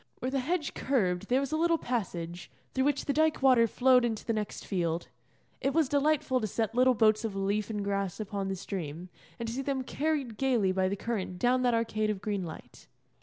Where the hedge curved there was a little passage, through which the dyke water flowed into the next field. It was delightful to set little boats of leaf and grass upon the stream, and to see them carried gaily by the current down that arcade of green light.